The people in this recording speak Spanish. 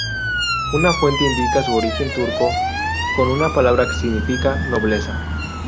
Una fuente indica su origen turco, con una palabra que significa "nobleza".